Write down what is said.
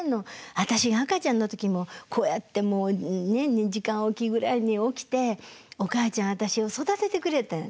私が赤ちゃんの時もこうやってもう２時間置きぐらいに起きておかあちゃん私を育ててくれたやん」